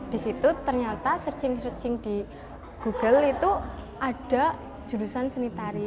di situ ternyata searching searching di google itu ada jurusan seni tari